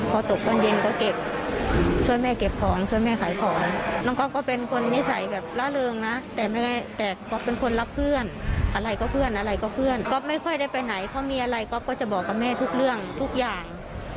พอตกตอนเย็นก็เก็บช่วยแม่เก็บของช่วยแม่ขายของน้องก๊อฟก็เป็นคนนิสัยแบบล่าเริงนะแต่ก๊อฟเป็นคนรักเพื่อนอะไรก็เพื่อนอะไรก็เพื่อนก็ไม่ค่อยได้ไปไหนเพราะมีอะไรก๊อฟก็จะบอกกับแม่ทุกเรื่องทุกอย่าง